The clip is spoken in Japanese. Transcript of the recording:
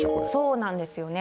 そうなんですよね。